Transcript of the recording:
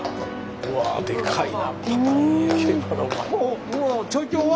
うわでかいな。